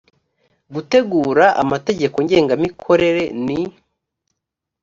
gutegura amategeko ngengamikorere n